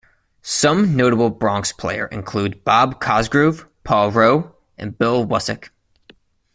Some notable Bronks player include Bob Cosgrove, Paul Rowe and Bill Wusyk.